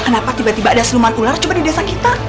kenapa tiba tiba ada seluman ular coba di desa kita